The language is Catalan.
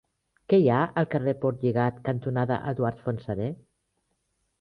Què hi ha al carrer Portlligat cantonada Eduard Fontserè?